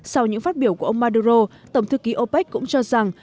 sau những phát biểu của ông maduro tổng thư ký opec cũng cho rằng